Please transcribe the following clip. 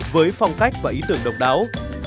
với phong cách và ý tưởng độc đáo